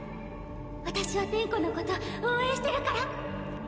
私は転弧の事応援してるから！